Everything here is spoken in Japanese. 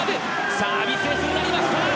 サービスエースになりました。